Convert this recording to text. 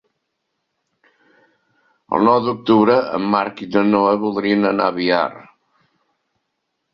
El nou d'octubre en Marc i na Noa voldrien anar a Biar.